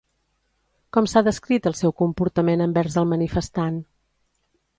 Com s'ha descrit el seu comportament envers el manifestant?